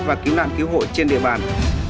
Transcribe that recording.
và cứu nạn cứu hộ trên địa bàn